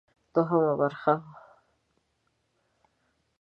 دوهمه برخه: